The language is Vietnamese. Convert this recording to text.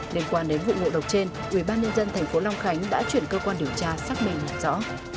liên quan đến vụ ngộ độc trên ubnd tp long khánh đã chuyển cơ quan điều tra xác minh nhận rõ